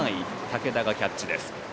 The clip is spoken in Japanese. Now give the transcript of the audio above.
武田がキャッチです。